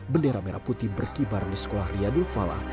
bendera merah putih berkibar di sekolah riyadul falah